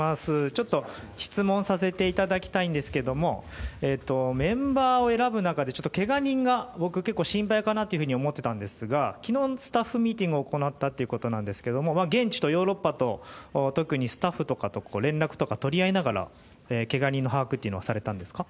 ちょっと質問させていただきたいんですけどもメンバーを選ぶ中で怪我人が僕、結構心配かなと思ってたんですが昨日、スタッフミーティングを行ったということなんですが現地とヨーロッパと特にスタッフとかと連絡とか取り合いながら怪我人の把握というのはされたんですか。